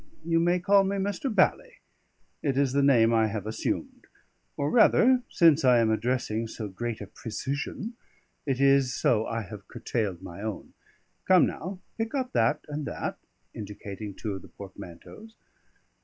You may call me Mr. Bally: it is the name I have assumed; or rather (since I am addressing so great a precisian) it is so I have curtailed my own. Come now, pick up that, and that" indicating two of the portmanteaus.